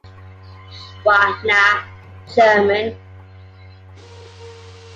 נע Schwa Na`, German